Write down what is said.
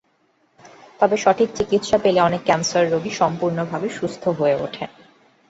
তবে সঠিক চিকিৎসা পেলে অনেক ক্যানসার রোগী সম্পূর্ণভাবে সুস্থ হয়ে ওঠে।